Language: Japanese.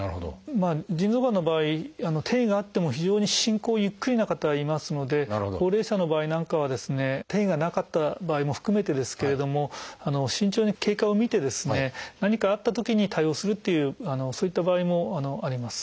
腎臓がんの場合転移があっても非常に進行ゆっくりな方がいますので高齢者の場合なんかはですね転移がなかった場合も含めてですけれども慎重に経過を見てですね何かあったときに対応するっていうそういった場合もあります。